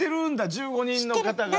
１５人の方が。